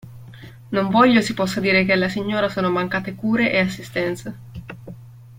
Non voglio si possa dire che alla signora sono mancate cure e assistenza.